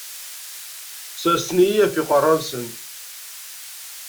Sersen-iyi ɣef yiqerra-nsen.